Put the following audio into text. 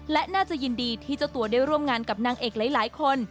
และน่าจะยินดีที่เจ้าตัวได้ร่วมงานกับนางเอกหลายคน